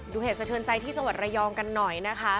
เหตุสะเทินใจที่จังหวัดระยองกันหน่อยนะคะ